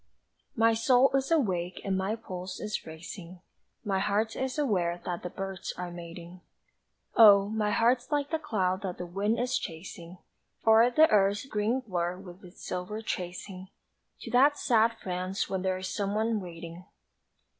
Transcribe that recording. My soul is awake and my pulse is racing My heart is aware that the birds are mating Oh, my heart's like a cloud that the wind is chasing O'er the earth's green blur with its silver tracing To that sad France where there's someone waiting!